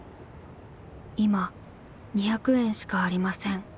「今２００円しかありません。